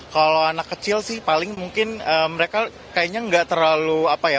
kalau anak kecil sih paling mungkin mereka kayaknya nggak terlalu apa ya